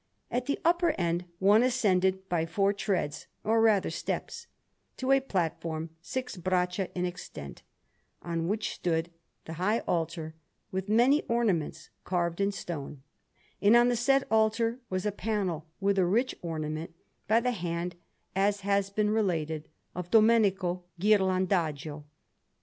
At the upper end one ascended by four treads, or rather steps, to a platform six braccia in extent, on which stood the high altar, with many ornaments carved in stone; and on the said altar was a panel with a rich ornament, by the hand, as has been related, of Domenico Ghirlandajo.